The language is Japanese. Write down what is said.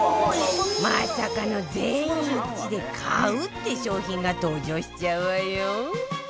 まさかの全員一致で買うって商品が登場しちゃうわよ